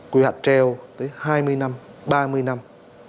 quy hoạch treo tới hai mươi năm ba mươi năm